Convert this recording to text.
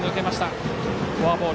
フォアボール。